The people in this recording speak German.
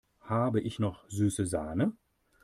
Habe ich noch süße Sahne?